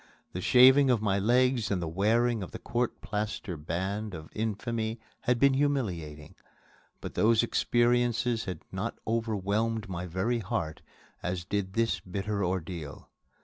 The shaving of my legs and the wearing of the court plaster brand of infamy had been humiliating, but those experiences had not overwhelmed my very heart as did this bitter ordeal.